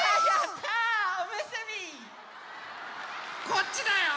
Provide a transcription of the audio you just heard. こっちだよ。